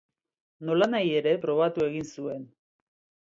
Nolanahi ere, probatu egin zuten.